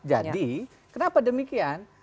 jadi kenapa demikian